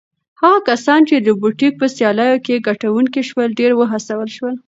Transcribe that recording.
هغه کسان چې د روبوټیک په سیالیو کې ګټونکي شول ډېر وهڅول شول.